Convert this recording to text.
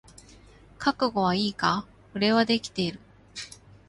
覚悟はいいか？俺はできてる。